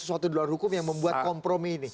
karena ada sesuatu di luar hukum yang membuat kompromi ini